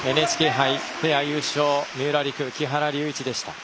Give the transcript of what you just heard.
ＮＨＫ杯ペア優勝三浦璃来、木原龍一でした。